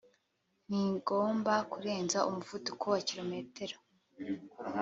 ntigomba kurenza umuvuduko wa kilometero